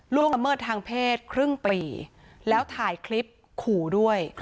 ละเมิดทางเพศครึ่งปีแล้วถ่ายคลิปขู่ด้วย